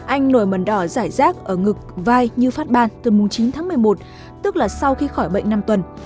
anh nổi mẩn đỏ giải rác ở ngực vai như phát ban từ chín tháng một mươi một tức là sau khi khỏi bệnh năm tuần